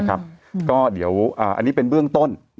อันนี้เป็นเบื้องต้น